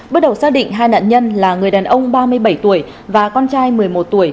bước đầu xác định hai nạn nhân là người đàn ông ba mươi bảy tuổi và con trai một mươi một tuổi